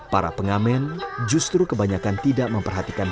para pengamen justru kebanyakan tidak memperhatikan